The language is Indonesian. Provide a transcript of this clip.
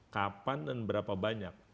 kapan dan berapa banyak